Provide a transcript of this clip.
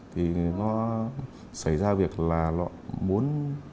thì nó xảy ra việc là họ muốn